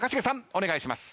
お願いします。